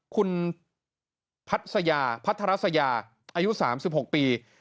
คุณพัทยาพัทรสยาอายุ๓๖ปี